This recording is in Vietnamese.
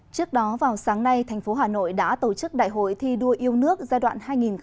trước đó vào sáng nay thành phố hà nội đã tổ chức đại hội thi đua yêu nước giai đoạn hai nghìn hai mươi hai nghìn hai mươi năm